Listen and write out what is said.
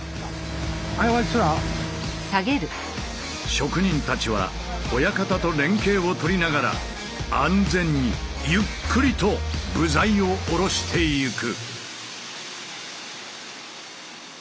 職人たちは親方と連携を取りながら安全にゆっくりと部材を下ろしていく。